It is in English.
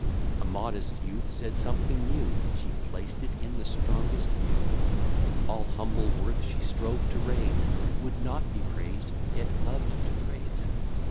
A modest youth said something new; She placed it in the strongest view. All humble worth she strove to raise, Would not be praised, yet loved to praise.